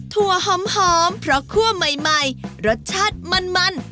ถั่วหอมเพราะคั่วใหม่รสชาติมัน